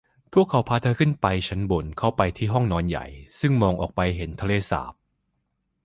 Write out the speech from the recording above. พวกเขาพาเธอขึ้นไปชั้นบนเข้าไปที่ห้องนอนใหญ่ซึ่งมองออกไปเห็นทะเลสาบ